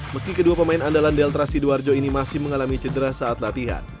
meski kedua pemain andalan delta sidoarjo ini masih mengalami cedera saat latihan